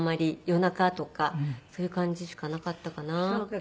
夜中とかそういう感じしかなかったかなって。